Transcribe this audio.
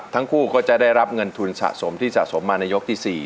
ทั้งคู่ก็จะได้รับเงินทุนสะสมที่สะสมมาในยกที่๔